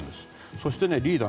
そして、リーダー